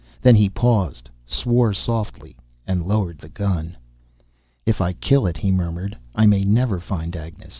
Then he paused, swore softly, lowered the gun. "If I kill it," he murmured, "I may never find Agnes.